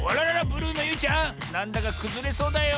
ブルーのゆいちゃんなんだかくずれそうだよ。